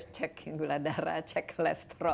cek gula darah cek kolesterol